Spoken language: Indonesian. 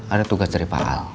ada tugas dari pak ahok